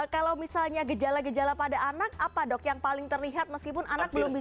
kalau misalnya gejala gejala pada anak apa dok yang paling terlihat meskipun anak belum bisa